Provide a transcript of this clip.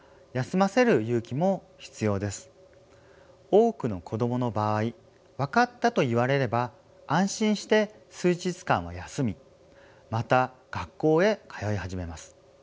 多くの子どもの場合「わかった」と言われれば安心して数日間は休みまた学校へ通い始めます。